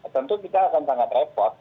tentu kita akan sangat repot